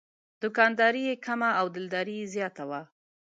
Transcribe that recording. دوکانداري یې کمه او دلداري زیاته وه.